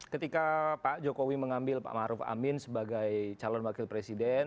ketika pak jokowi mengambil pak maruf amin sebagai calon wakil presiden